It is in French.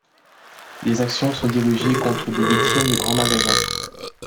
Des actions sont dirigées contre des vitrines de grands magasins.